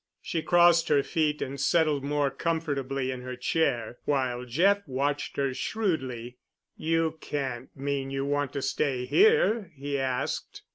She crossed her feet and settled more comfortably in her chair, while Jeff watched her shrewdly. "You can't mean you want to stay here?" he asked.